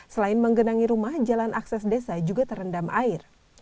selain menggenangi rumah jalan akses desa juga terendam air